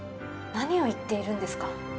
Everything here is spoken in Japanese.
何を言っているんですか？